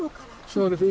そうですね。